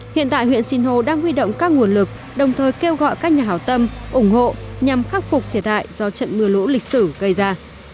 hiện tại huyện sinh hồ đang huy động các nguồn lực đồng thời kêu gọi các nhà hảo tâm ủng hộ nhằm khắc phục thiệt hại do trận mưa lũ lịch sử gây ra